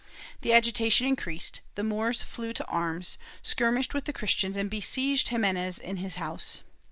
The agitation increased; the Moors flew to arms, skirmished with the Christians and besieged Ximenes in his house.